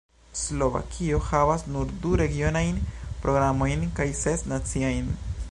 Slovakio havas nur du regionajn programojn kaj ses naciajn.